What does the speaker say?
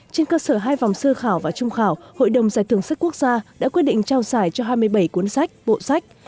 trên cơ sở hai vòng sơ khảo và trung khảo hội đồng giải thưởng sách quốc gia đã quyết định trao giải cho hai mươi bảy cuốn sách bộ sách